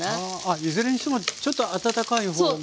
いずれにしてもちょっと温かいほうが。